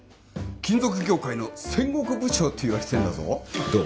金属業界の戦国部長っていわれてんだぞどう？